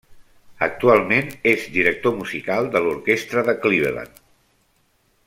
Actualment és director musical de l'Orquestra de Cleveland.